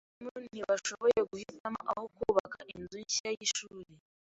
Abarimu ntibashoboye guhitamo aho bubaka inzu nshya yishuri.